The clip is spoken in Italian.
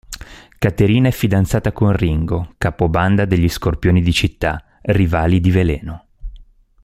Caterina è fidanzata con Ringo, capobanda degli Scorpioni di città, rivali di Veleno.